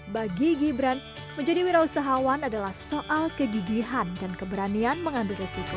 bagi gibran menjadi wira usahawan adalah soal kegigihan dan keberanian mengambil resiko